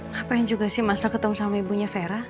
ngapain juga sih mas al ketemu sama ibunya fira